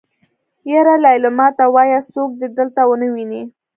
يره ليلما ته وايه څوک دې دلته ونه ويني.